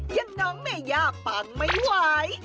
ยังน้องแม่ยากปังไม้ไหว